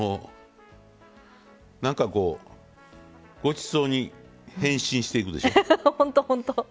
なんか、ごちそうに変身していくでしょう。